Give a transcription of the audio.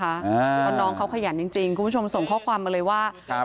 เพราะน้องเขาขยันจริงคุณผู้ชมส่งข้อความมาเลยว่า